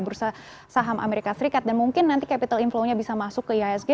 bursa saham amerika serikat dan mungkin nanti capital inflow nya bisa masuk ke ihsg